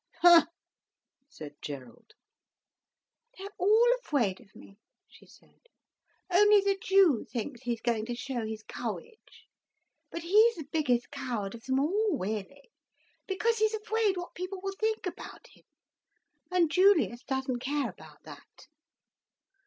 "H'm!" said Gerald. "They're all afwaid of me," she said. "Only the Jew thinks he's going to show his courage. But he's the biggest coward of them all, really, because he's afwaid what people will think about him—and Julius doesn't care about that."